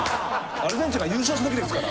アルゼンチンが優勝した時ですから。